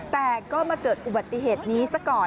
แต่ก็มาเกิดอุบัติเหตุนี้ซะก่อน